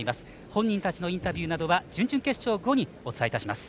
本人たちのインタビューなどは準々決勝後にお伝えします。